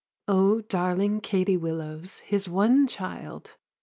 'O darling Katie Willows, his one child!